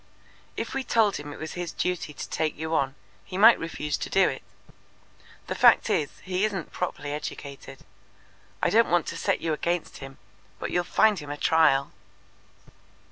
"If we told him it was his duty to take you on, he might refuse to do it. The fact is, he isn't properly educated. I don't want to set you against him, but you'll find him a trial."